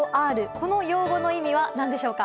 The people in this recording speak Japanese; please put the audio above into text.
この用語の意味は何でしょうか。